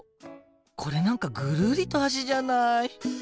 これなんかぐるりと足じゃない！